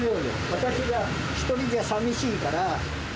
私が１人じゃさみしいから。